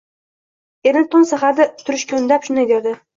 Erini tong saharda turishga undab, shunday derdi